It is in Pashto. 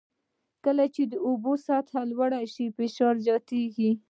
کله چې د اوبو سطحه لوړه شي فشار زیاتېږي.